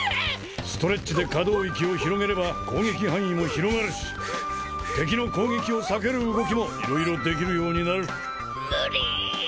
ストレッチで可動域を広げれば攻撃範囲も広がるし敵の攻撃を避ける動きも色々できるようになる無理！